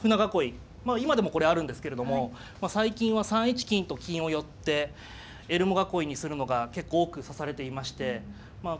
まあ今でもこれあるんですけれども最近は３一金と金を寄ってエルモ囲いにするのが結構多く指されていましてまあ